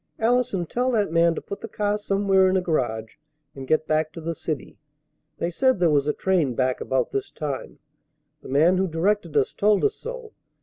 "Allison, tell that man to put the car somewhere in a garage and get back to the city. They said there was a train back about this time. The man who directed us told us so.